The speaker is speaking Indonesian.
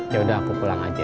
yaudah aku pulang aja